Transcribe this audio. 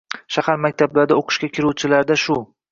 Shahar maktablarida o‘qishga kiruvchilarda shu.